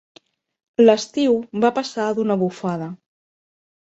L'estiu va passar d'una bufada.